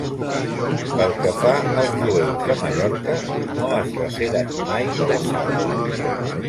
Pel que fa als jueus de Mallorca, no es referen mai de l'assalt.